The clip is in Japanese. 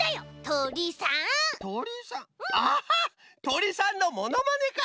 とりさんのものまねか。